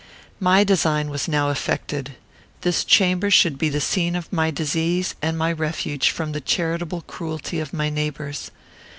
My design was now effected. This chamber should be the scene of my disease and my refuge from the charitable cruelty of my neighbours.